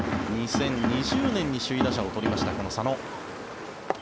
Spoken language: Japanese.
２０２０年に首位打者を取りました佐野。